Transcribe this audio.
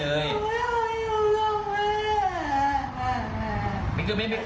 หนึ่งไม่เกิดไม่